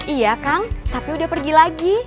iya kang tapi udah pergi lagi